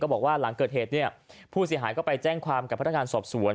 บอกว่าหลังเกิดเหตุเนี่ยผู้เสียหายก็ไปแจ้งความกับพนักงานสอบสวน